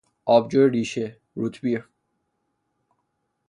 آبجو ریشه، روت بیر